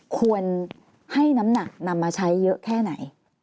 ควรให้น้ำหนักนำมาใช้เยอะแค่ไหน